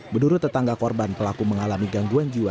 menurut tetangga korban pelaku mengalami gangguan jiwa